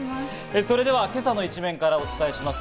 それでは今朝の一面からお伝えします。